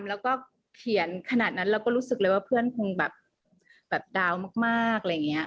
แล้วก็เขียนขนาดนั้นเราก็รู้สึกเลยว่าเพื่อนคงแบบดาวมากอะไรอย่างนี้